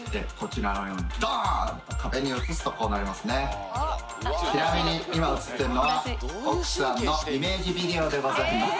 ちなみに今映ってるのは奥さんのイメージビデオでございます。